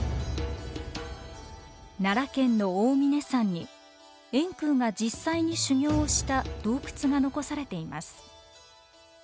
奈良県の大峰山に円空が実際に修行をした洞窟が残されています。